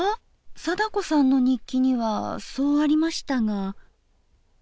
貞子さんの日記にはそうありましたが。